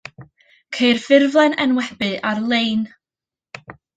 Ceir ffurflen enwebu ar-lein.